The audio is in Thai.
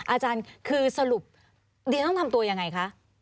อาจารย์คือสรุปดิฉันทำตัวยังไงคะ